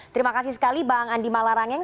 terima kasih sekali bang andi malarangeng